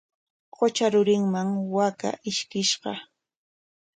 Qutra rurinman waakaa ishkishqa.